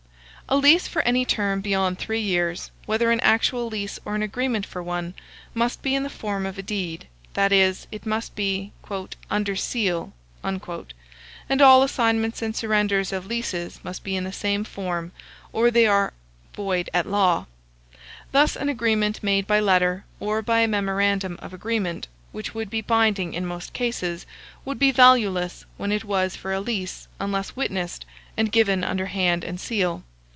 A lease for any term beyond three years, whether an actual lease or an agreement for one, must be in the form of a deed; that is, it must be "under seal;" and all assignments and surrenders of leases must be in the same form, or they are void at law. Thus an agreement made by letter, or by a memorandum of agreement, which would be binding in most cases, would be valueless when it was for a lease, unless witnessed, and given under hand and seal.